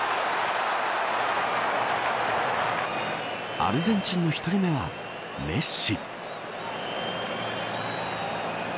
アルゼンチンの１人目はメッシ。